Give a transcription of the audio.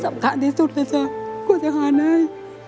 สำคัญที่สุดเลยจ๊ะกว่าจะหาหน้า